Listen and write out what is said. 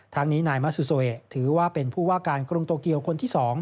ทั้งนี้นายมะซูโซะถือว่าเป็นผู้ว่าการกรุงโตเกียวคนที่๒